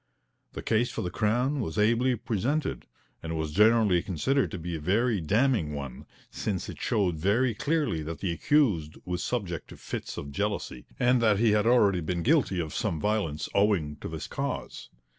The case for the Crown was ably presented, and was generally considered to be a very damning one, since it showed very clearly that the accused was subject to fits of jealousy, and that he had already been guilty of some violence owing to this cause.